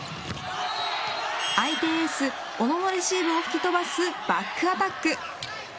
相手エース小野のレシーブを吹き飛ばすバックアタック。